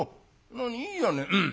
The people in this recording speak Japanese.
「何いいじゃない。